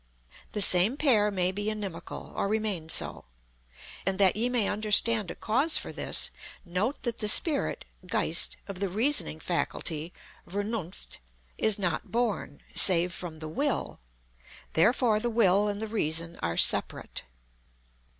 The same pair may become inimical, or remain so. And that ye may understand a cause for this, note that the Spirit (Geist) of the Reasoning Faculty (Vernunft) is not born, save from the Will, therefore the Will and the Reason are separate.